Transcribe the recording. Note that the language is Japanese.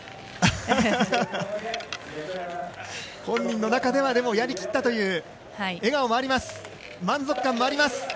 本人の中ではやりきったという笑顔もあります。